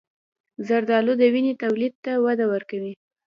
زردآلو د وینې تولید ته وده ورکوي.